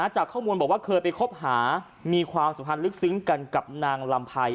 จากข้อมูลบอกว่าเคยไปคบหามีความสัมพันธ์ลึกซึ้งกันกับนางลำไพร